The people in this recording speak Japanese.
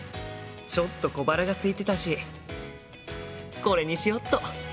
ちょっと小腹がすいてたしこれにしよっと。